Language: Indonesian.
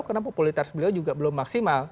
karena popularitas beliau juga belum maksimal